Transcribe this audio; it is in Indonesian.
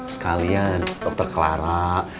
sekalian dokter clara